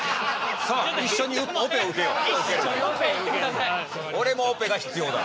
さあ一緒にオペを受けよう。